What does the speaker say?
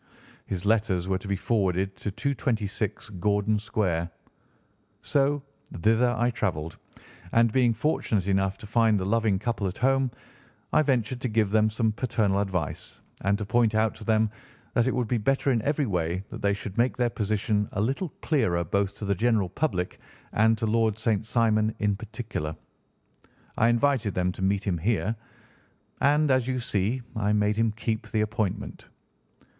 His letters were to be forwarded to 226 Gordon Square; so thither I travelled, and being fortunate enough to find the loving couple at home, I ventured to give them some paternal advice and to point out to them that it would be better in every way that they should make their position a little clearer both to the general public and to Lord St. Simon in particular. I invited them to meet him here, and, as you see, I made him keep the appointment."